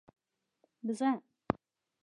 🐐 بزه